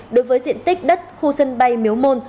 đối với diện tích đất khu sân bay miếu môn